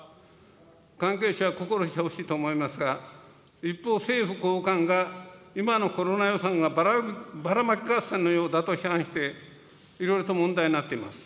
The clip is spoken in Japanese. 関係者は心してほしいと思いますが、一方、政府高官が、今のコロナ予算がバラマキ合戦のようだと批判して、いろいろと問題になってます。